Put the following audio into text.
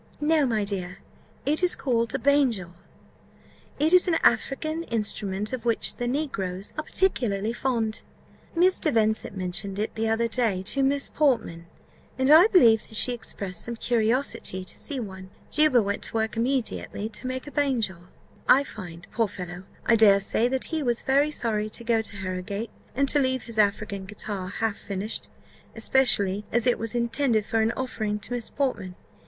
"No, my dear, it is called a banjore; it is an African instrument, of which the negroes are particularly fond. Mr. Vincent mentioned it the other day to Miss Portman, and I believe she expressed some curiosity to see one. Juba went to work immediately to make a banjore, I find. Poor fellow! I dare say that he was very sorry to go to Harrowgate, and to leave his African guitar half finished; especially as it was intended for an offering to Miss Portman.